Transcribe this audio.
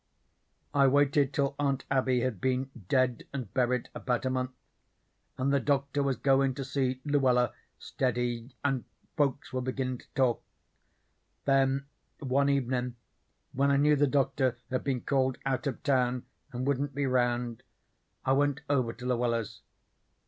"I waited till Aunt Abby had been dead and buried about a month, and the Doctor was goin' to see Luella steady and folks were beginnin' to talk; then one evenin', when I knew the Doctor had been called out of town and wouldn't be round, I went over to Luella's.